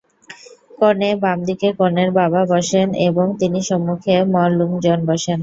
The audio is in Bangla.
কনে বামদিকে কনের বাবা বসেন এবং তিনি সম্মুখে ম-লুং জন বসেন।